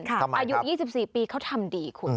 อายุ๒๔ปีเขาทำดีคุณ